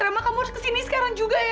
emang kamu harus kesini sekarang juga ya